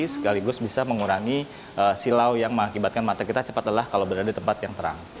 sekaligus bisa mengurangi silau yang mengakibatkan mata kita cepat lelah kalau berada di tempat yang terang